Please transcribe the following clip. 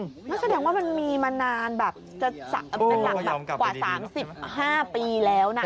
ก็แสดงว่ามันมีมานานแบบกว่า๓๕ปีแล้วนะ